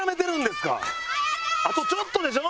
あとちょっとでしょ？